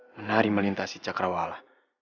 menari melintasi cakrawala